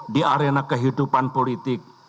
di arena kehidupan politik